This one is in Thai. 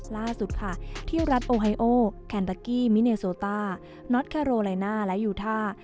ล่าสุดค่ะที่รัฐโอไฮโอแคนตะกี้มิเนโซต้าน็อตแคโรไลน่าและยูท่า